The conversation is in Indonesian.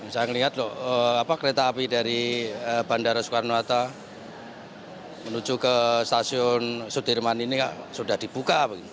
saya melihat loh kereta api dari bandara soekarno hatta menuju ke stasiun sudirman ini sudah dibuka